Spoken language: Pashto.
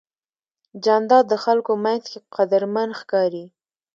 جانداد د خلکو منځ کې قدرمن ښکاري.